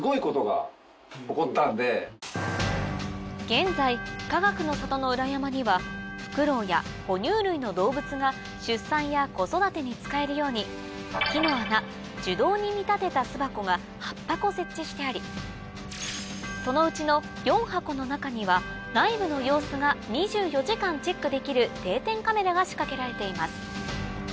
現在かがくの里の裏山にはフクロウや哺乳類の動物が出産や子育てに使えるように木の穴樹洞に見立てた巣箱が８箱設置してありそのうちの４箱の中には内部の様子が２４時間チェックできる定点カメラが仕掛けられています